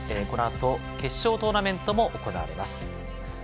このあと決勝トーナメントも行われます。